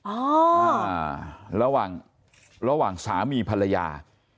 อ่าระหว่างระหว่างสามีภรรยา